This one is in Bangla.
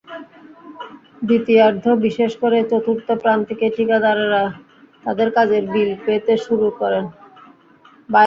দ্বিতীয়ার্ধ বিশেষ করে চতুর্থ প্রান্তিকে ঠিকাদারেরা তাঁদের কাজের বিল পেতে শুরু করেন।